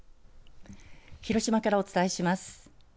広島からお伝えします。